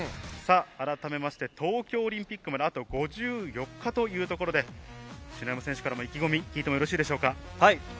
改めて東京オリンピックまであと５４日というところで、篠山選手の意気込み聞いてよろしいですか？